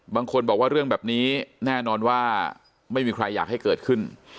บางคนบอกว่าเรื่องแบบนี้แน่นอนว่าไม่มีใครอยากให้เกิดขึ้น